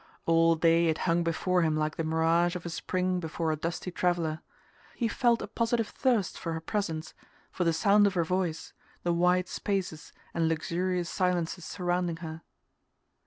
All day it hung before him like the mirage of a spring before a dusty traveller: he felt a positive thirst for her presence, for the sound of her voice, the wide spaces and luxurious silences surrounding her.